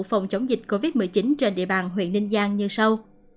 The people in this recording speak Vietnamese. phòng chống dịch covid một mươi chín trên địa bàn huyện ninh giang như sau